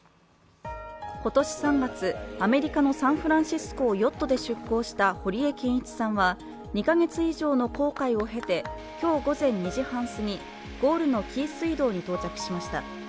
今年３月、アメリカのサンフランシスコをヨットで出航した堀江謙一さんは２カ月以上の航海を経て今日午前２時半すぎ、ゴールの紀伊水道に到着しました。